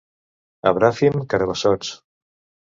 A Bràfim, carabassots.